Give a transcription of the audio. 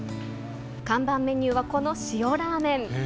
看板メニューはこの塩ラーメン。